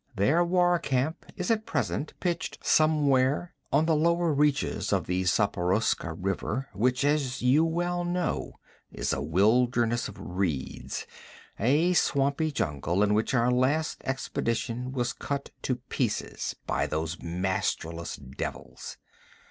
'Their war camp is at present pitched somewhere on the lower reaches of the Zaporoska River which, as you well know, is a wilderness of reeds, a swampy jungle in which our last expedition was cut to pieces by those masterless devils.'